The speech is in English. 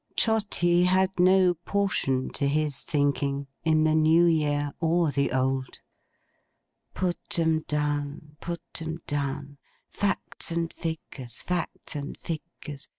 Trotty had no portion, to his thinking, in the New Year or the Old. 'Put 'em down, Put 'em down! Facts and Figures, Facts and Figures!